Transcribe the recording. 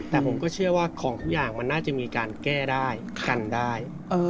แต่ผมก็เชื่อว่าของทุกอย่างมันน่าจะมีการแก้ได้กันได้